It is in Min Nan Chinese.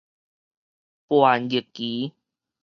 叛逆期